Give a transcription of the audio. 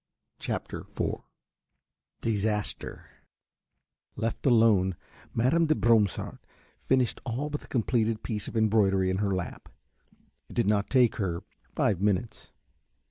CHAPTER IV DISASTER Left alone, Mademoiselle de Bromsart finished the all but completed piece of embroidery in her lap. It did not take her five minutes.